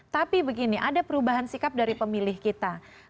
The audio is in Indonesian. tapi begini ada perubahan sikap dari pemilih kita